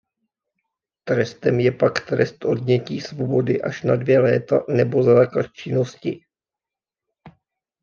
Trestem je pak trest odnětí svobody až na dvě léta nebo zákaz činnosti.